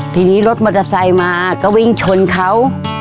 ทีนี้รถมอเตอร์ไซค์มาก็วิ่งชนเขา